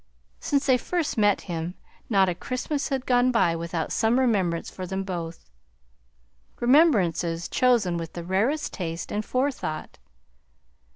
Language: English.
Since they first met him not a Christmas had gone by without some remembrance for them both; remembrances chosen with the rarest taste and forethought.